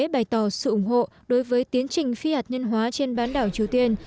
bày tỏ sự ủng hộ đối với tiến trình phi hạt nhân hóa trên bán đảo triều tiên